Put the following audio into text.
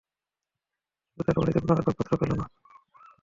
কিন্তু তার বাড়ীতে কোন আসবাবপত্র পেল না।